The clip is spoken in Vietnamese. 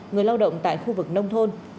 người lao động tại khu vực nông thôn